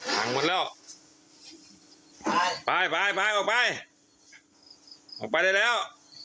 หมุนแล้ว